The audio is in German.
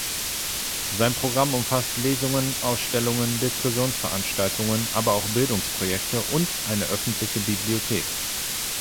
Sein Programm umfasst Lesungen, Ausstellungen, Diskussionsveranstaltungen, aber auch Bildungsprojekte und eine öffentliche Bibliothek.